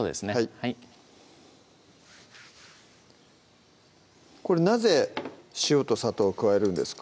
はいこれなぜ塩と砂糖を加えるんですか？